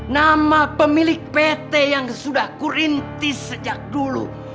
nama pemilik pt yang sudah kurintis sejak dulu